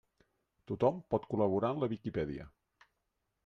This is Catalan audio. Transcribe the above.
Tothom pot col·laborar en la Viquipèdia.